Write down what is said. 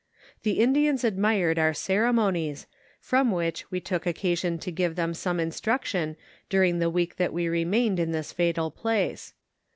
The Indians admired our cere monies, from which we took occasion to give them some in Btruction during the week that we remained in this fatal place.